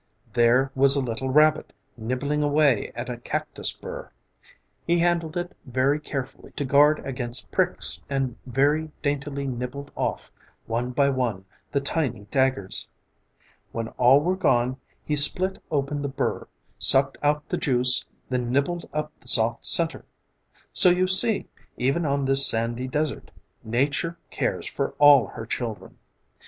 There was a little rabbit nibbling away at a cactus burr. He handled it very carefully to guard against pricks and very daintily nibbled off, one by one, the tiny daggers. When all were gone he split open the burr, sucked out the juice, then nibbled up the soft center. So you see, even on this sandy desert, Nature cares for all her children.